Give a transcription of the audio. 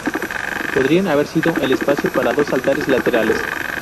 Podrían haber sido el espacio para dos altares laterales.